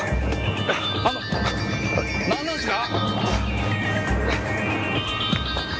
あの何なんですか！？